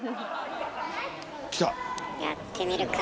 やってみるか。